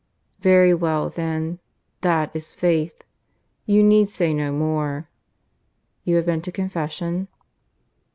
"Very well, then. That is faith. You need say no more. You have been to confession?"